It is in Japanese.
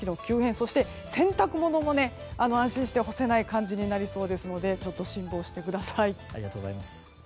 そして、洗濯物も安心して干せない感じになりそうなので辛抱してください。